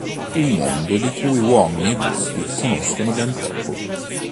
Un mondo di cui uomini e volpi conoscono ben poco.